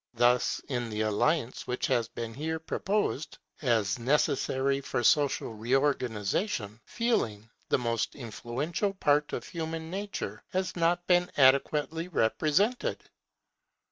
Thus, in the alliance which has been here proposed as necessary for social reorganization, Feeling, the most influential part of human nature, has not been adequately represented.